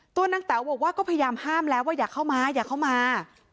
ตัวนางแต๋วบอกว่าก็พยายามห้ามแล้วว่าอย่าเข้ามาอย่าเข้ามา